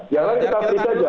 yang lain kita free saja